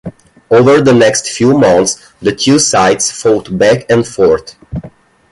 Over the next few months, the two sides fought back and forth.